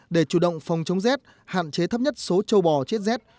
để chủ động phòng chống rét hạn chế thấp nhất số châu bò chết rét